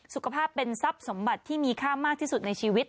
สุขภาพเป็นทรัพย์สมบัติที่มีค่ามากที่สุดในชีวิต